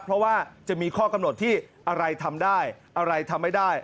เพราะว่าจะมีข้อกำหนดที่อะไรทำได้อะไรทำไม่ได้